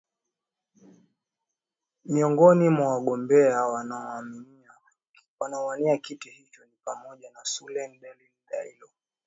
miongoni mwa wagombea wanaowania kiti hicho ni pamoja selun delian dialo